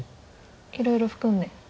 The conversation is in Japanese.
いろいろ含んで。